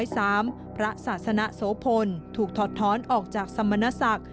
สามพระศาสนโสพลถูกถอดท้อนออกจากสรรพ์มนธสักษ์